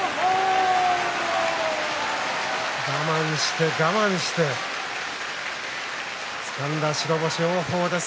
我慢して我慢してつかんだ白星王鵬です。